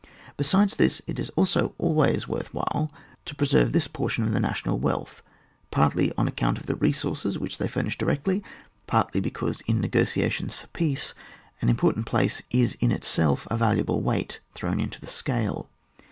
Besides this, it is also always worth while to preserve this portion of the national wealth, pai'tly on account of the resources which they furnish di rectly, partly because, in negotiations for peace, an important place is in itself a valuable weight thrown into the scale.